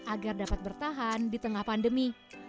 agar dapat bertahan di tengah pandemi